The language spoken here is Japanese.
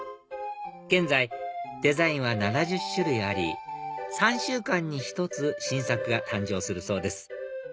現在デザインは７０種類あり３週間に１つ新作が誕生するそうです